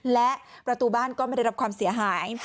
และประตูบ้านก็ไม่ได้รับความเสียหาย